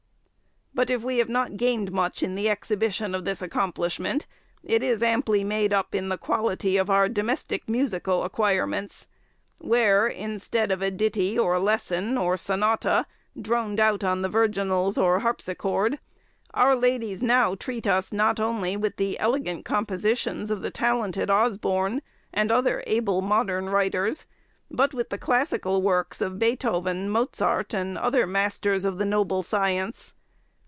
But if we have not gained much in the exhibition of this accomplishment, it is amply made up in the quality of our domestic musical acquirements, where, instead of a ditty or lesson, or sonata, droned out on the virginals or harpsichord, our ladies now treat us not only with the elegant compositions of the talented Osborne, and other able modern writers, but with the classical works of Beethoven, Mozart, and other masters of the noble science.